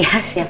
iya siap pa